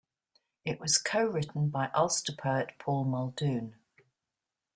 It was co-written by Ulster poet Paul Muldoon.